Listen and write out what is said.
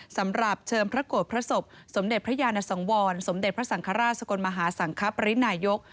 สำหรับเชิมพระโกรธพระศพสมเด็จพระยานสังวรสมเด็จพระสังฆราชสกลมหาสังคปรินายก